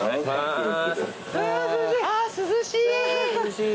あ涼しい。